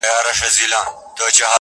د غرو لمنو کي اغزیو پیرې وکرلې-